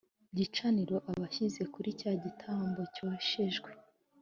gicaniro abishyize kuri cya gitambo cyoshejwe